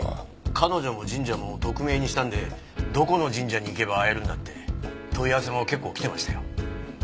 彼女も神社も匿名にしたんでどこの神社に行けば会えるんだって問い合わせも結構きてましたよ。